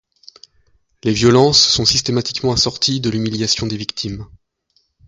Les violences sont systématiquement assorties de l'humiliation des victimes.